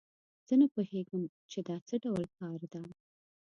زه نه پوهیږم چې دا څه ډول کار ده